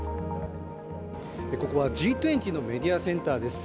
ここはＧ２０のメディアセンターです。